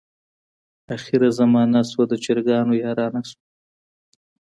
اخره زمانه شوه د چرګانو یارانه شوه.